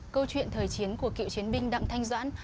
câu chuyện thời chiến của cựu chiến binh đặng thanh doãn